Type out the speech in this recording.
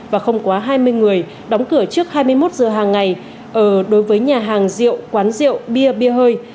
và không quá hai mươi người đóng cửa trước hai mươi một giờ hàng ngày đối với nhà hàng rượu quán rượu bia bia hơi